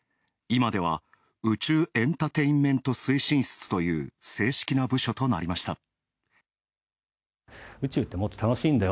今では宇宙エンタテインメント推進室という正式な部署となりました。